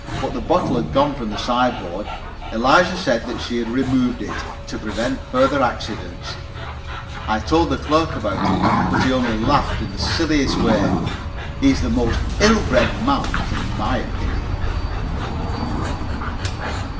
But the bottle had gone from the sideboard. Eliza said that she had removed it, to prevent further accidents. I told the head clerk about it, but he only laughed in the silliest way. He is a most ill bred man, in my opinion.